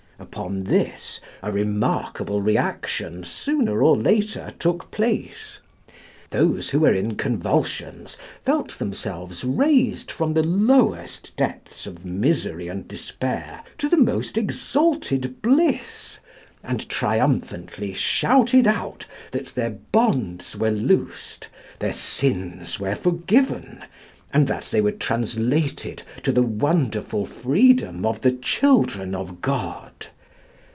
Upon this a remarkable reaction sooner or later took place. Those who were in convulsions felt themselves raised from the lowest depths of misery and despair to the most exalted bliss, and triumphantly shouted out that their bonds were loosed, their sins were forgiven, and that they were translated to the wonderful freedom of the children of God.